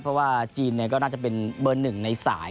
เพราะว่าจีนก็น่าจะเป็นเบอร์หนึ่งในสาย